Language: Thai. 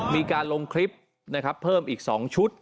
มีการลงคลิปเพิ่มอีก๒ชุด